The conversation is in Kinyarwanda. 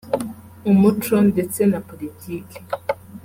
umuco ndetse na politiki